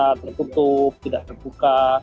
tidak tertutup tidak terbuka